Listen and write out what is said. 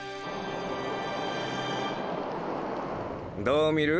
どう見る？